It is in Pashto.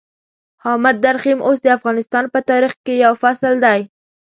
حامد درخيم اوس د افغانستان په تاريخ کې يو فصل دی.